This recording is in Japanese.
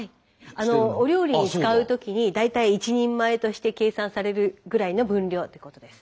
お料理に使うときに大体１人前として計算されるぐらいの分量ってことです。